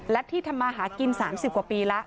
และที่ทำมาหากิน๓๐กว่าปีแล้ว